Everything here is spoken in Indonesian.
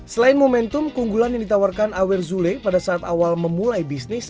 selain momentum keunggulan yang ditawarkan awer zule pada saat awal memulai bisnis